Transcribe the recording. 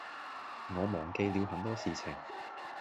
我忘記了很多事情